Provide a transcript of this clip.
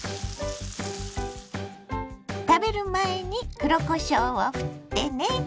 食べる前に黒こしょうをふってね。